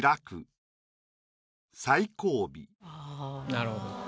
なるほど。